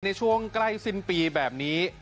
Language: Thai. ในช่วงใกล้สิ้นปีแบบนี้